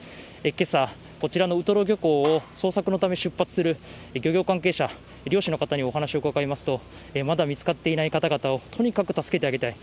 けさ、こちらのウトロ漁港を捜索のため出発する漁業関係者、漁師の方にお話を伺いますと、まだ見つかっていない方々をとにかく助けてあげたい。